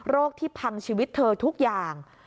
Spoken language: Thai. ที่พังชีวิตเธอทุกอย่าง